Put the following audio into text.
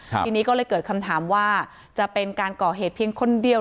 ทีนี้ก็เลยเกิดคำถามว่าจะเป็นการก่อเหตุเพียงคนเดียว